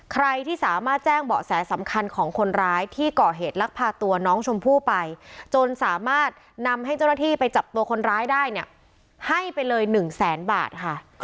ใครที่สามารถแจ้งเบาะแสสำคัญของคนร้ายที่ก่อเหตุลักพาตัวน้องชมพู่ไปจนสามารถนำให้เจ้าหน้าที่ไปจับตัวคนร้ายได้เนี่ยให้ไปเลย๑แสนบาทค่ะ